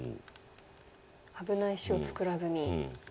危ない石を作らずに。